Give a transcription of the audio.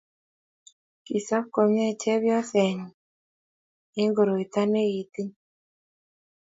kisob komye chepyosenyin eng koroito ne kitinye